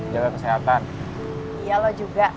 jaga kesehatan ya lo juga